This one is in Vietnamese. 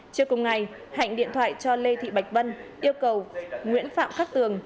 trước cùng ngày hạnh điện thoại cho lê thị bạch vân yêu cầu nguyễn phạm khắc tường